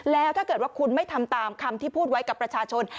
แล้วถ้าเกิดว่าคุณไม่ทำตามคำที่พูดไว้กับประชาชน